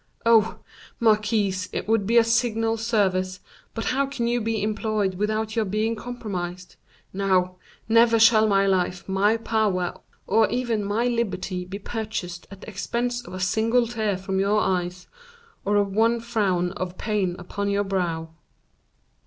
"Oh! marquise, it would be a signal service; but how can you be employed without your being compromised? Now, never shall my life, my power, or even my liberty, be purchased at the expense of a single tear from your eyes, or of one frown of pain upon your brow."